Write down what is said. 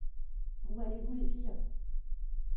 Où allez-vous, les filles?